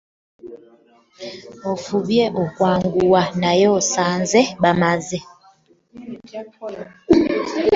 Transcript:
Ofubye okwanguwa naye osanze bakulese.